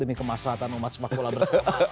demi kemaslahatan umat sepak bola bersama